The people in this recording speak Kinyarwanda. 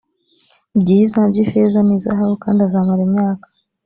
byiza by ifeza n izahabu kandi azamara imyaka